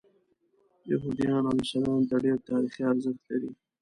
یهودیانو او عیسویانو ته ډېر تاریخي ارزښت لري.